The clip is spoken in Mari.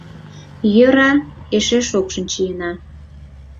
Йӧра эше шокшын чиенна.